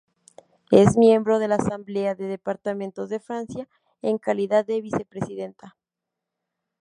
Es miembro de la Asamblea de Departamentos de Francia en calidad de vicepresidenta.